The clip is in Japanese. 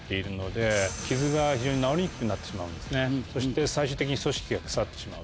そして最終的に組織が腐ってしまう。